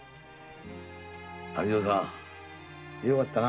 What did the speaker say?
網蔵さんよかったな。